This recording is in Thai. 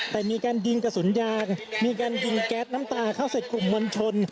แต่มีการยิงกระสุนยางมีการยิงแก๊สน้ำตาเข้าใส่กลุ่มมวลชน